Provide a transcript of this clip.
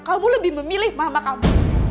kamu lebih memilih maha kamu